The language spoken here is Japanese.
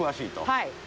はい。